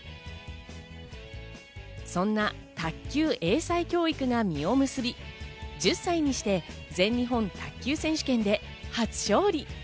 そんな卓球英才教育が実を結び、１０歳にして全日本卓球選手権で初勝利。